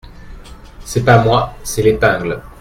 C’est pas moi… c’est l’épingle…